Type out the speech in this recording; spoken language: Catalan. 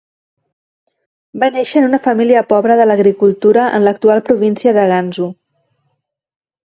Va néixer en una família pobra de l'agricultura en l'actual província de Gansu.